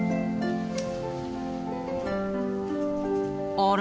あれ？